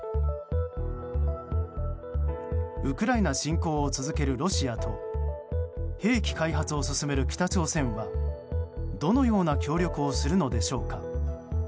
ウクライナ侵攻を続けるロシアと兵器開発を進める北朝鮮はどのような協力をするのでしょうか。